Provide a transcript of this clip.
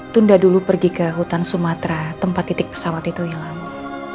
tunda dulu pergi ke hutan sumatera tempat titik pesawat itu hilang